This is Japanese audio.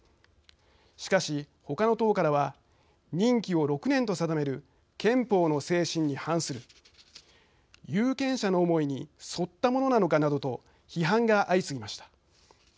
しかし、他の党からは任期を６年と定める憲法の精神に反する有権者の思いに沿ったものなのかなどと批判が相次ぎました。